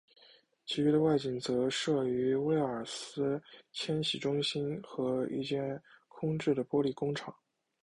其余的外景则摄于威尔斯千禧中心和一间空置的玻璃工厂。